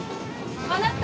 あなた。